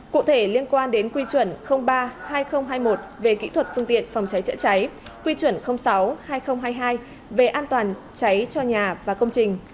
cụ thể liên quan đến quy chuẩn ba hai nghìn hai mươi một về kỹ thuật phương tiện phòng cháy chữa cháy quy chuẩn sáu hai nghìn hai mươi hai về an toàn cháy cho nhà và công trình